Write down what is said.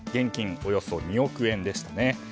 およそ２億円でしたね。